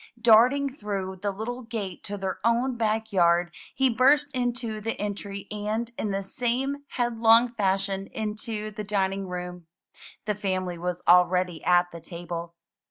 Darting through the little gate to their own back yard, he burst into the entry and, in the same headlong fashion, into the dining room. The family was already at the table.